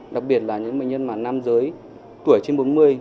đặc biệt là những bệnh nhân mà nam giới tuổi trên bốn mươi